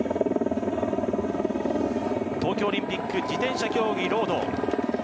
東京オリンピック自転車競技、ロード。